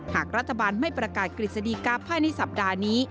หากรัฐบาลไม่ประกาศกฤษฎีกาภายในสัปดาห์นี้